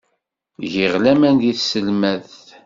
Giɣ laman deg tselmadt.